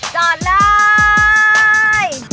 จอดเลย